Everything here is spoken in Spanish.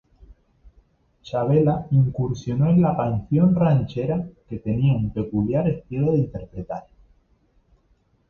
Chavela incursionó en la canción ranchera, que tenía un peculiar estilo de interpretar.